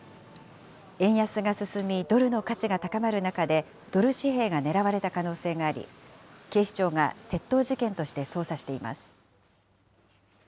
円安が進み、ドルの価値が高まる中で、ドル紙幣が狙われた可能性があり、警視庁が窃盗事件として捜査しています。